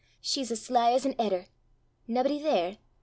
she's as sly as an edder! Naebody there?